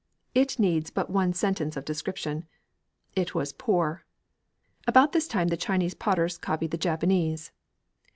It needs but one sentence of description. It was poor. About this time the Chinese potters copied the Japanese.